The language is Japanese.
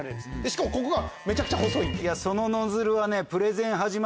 しかもここがめちゃくちゃ細い。